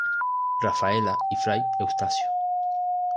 Rafaela y Fray Eustacio.